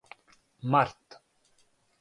март